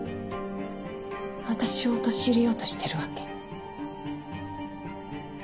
私を陥れようとしてるわけ？